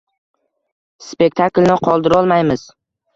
Spektaklni qoldirolmaymiz.